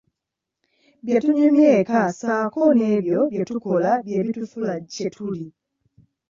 Bye tunyumya eka ssaako n'ebyo bye tukola bye bitufuula kye tuli.